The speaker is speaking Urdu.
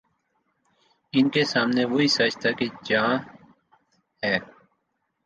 ان کے سامنے وہی سچ تھا کہ جان ہے۔